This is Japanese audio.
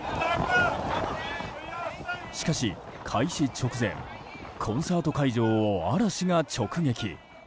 しかし、開始直前コンサート会場を嵐が直撃。